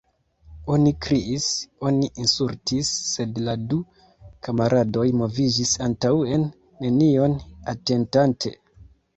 Oni kriis, oni insultis, sed la du kamaradoj moviĝis antaŭen, nenion atentante.